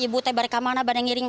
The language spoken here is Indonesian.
ibu sudah di kembali ke tempatmu